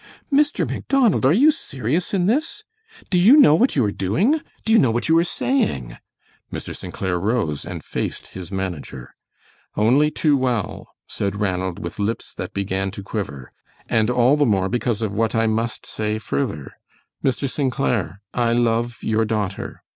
"Mr. Macdonald, are you serious in this? Do you know what you are doing? Do you know what you are saying?" Mr. St. Clair rose and faced his manager. "Only too well," said Ranald, with lips that began to quiver, "and all the more because of what I must say further. Mr. St. Clair, I love your daughter.